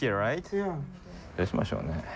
どうしましょうね。